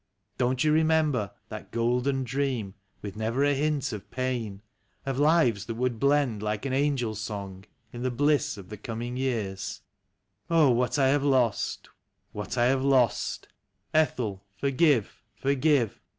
Don't you remember that golden dream, with never a hint of pain, Of lives that would blend like an angel song in the bliss of the coming years? 78 NEW YEARS EVE. Oh, what have I lost ! What have I lost ! Ethel, for give, forgive!